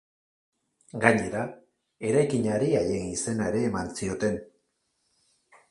Gainera, eraikinari haien izena ere eman zioten.